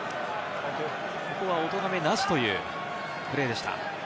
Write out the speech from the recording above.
ここはお咎めなしというプレーでした。